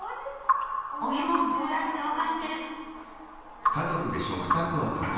おゆもこうやってわかしてる。